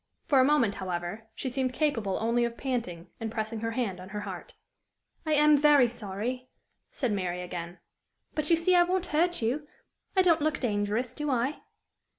For a moment, however, she seemed capable only of panting, and pressing her hand on her heart. "I am very sorry," said Mary, again; "but you see I won't hurt you! I don't look dangerous, do I?"